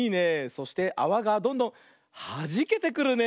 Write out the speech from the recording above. そしてあわがどんどんはじけてくるね。